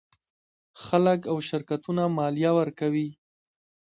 خلک او شرکتونه مالیه ورکوي.